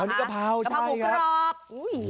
อันนี้กะเพรากะเพราหมูกรอบ